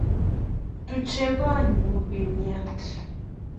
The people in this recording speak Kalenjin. Tuche konnyu bimait